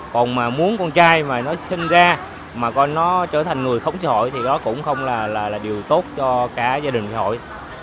còn mà muốn con trai mà nó sinh ra mà nó trở thành người không xã hội thì đó cũng không là điều tốt cho cả gia đình xã hội